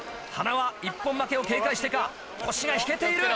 塙一本負けを警戒してか腰が引けている。